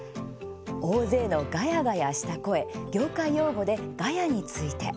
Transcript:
大勢の、がやがやした声業界用語でガヤについて。